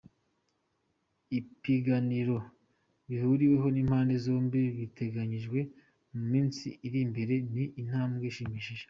Ibiganiro bihuriweho n’impande zombi biteganyijwe mu minsi iri mbere ni intambwe ishimishije.